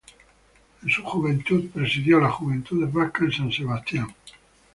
En su juventud presidió las Juventudes Vascas en San Sebastián.